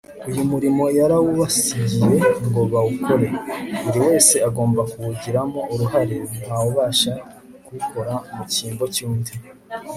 uyu murimo yarawubasigiye ngo bawukore. buri wese agomba kuwugiramo uruhare; nta wubasha kuwukora mu cyimbo cy'undi